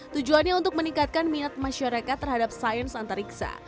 tujuannya untuk meningkatkan minat masyarakat terhadap sains antariksa